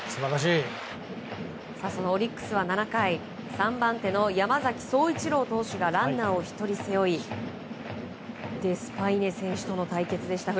そのオリックスは７回３番手の山崎颯一郎投手がランナーを１人背負いデスパイネ選手との対決でした。